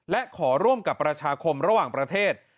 และขอร่วมกับประชาคมระหว่างประเทศ